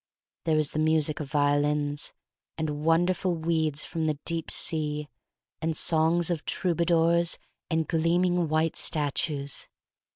There was the music of violins, and wonderful weeds from the deep sea, and songs of troubadours, and gleaming white statues.